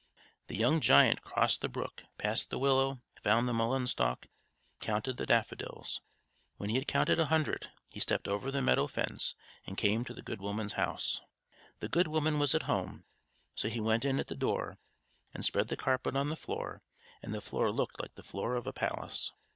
The young giant crossed the brook, passed the willow, found the mullein stalk, and counted the daffodils. When he had counted a hundred, he stepped over the meadow fence and came to the good woman's house. The good woman was at home, so he went in at the door and spread the carpet on the floor, and the floor looked like the floor of a palace.